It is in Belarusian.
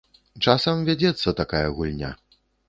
Часам вядзецца такая гульня.